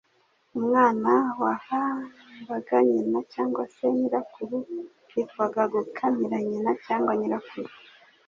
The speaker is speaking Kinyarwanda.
Umwana wahambaga nyina cyangwa se nyirakuru byitwaga gukamira nyina cyangwa nyirakuru.